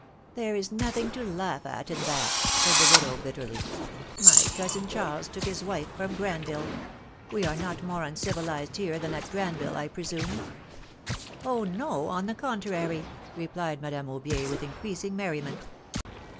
There is nothing to laugh at in that," said the widow, bitterly; my cousin Charles took his wife from Granville; we are not more uncivilized here than at Granville, I presume !" Oh ! no ; on the contrary," replied Madame Aubier, with increasing merriment.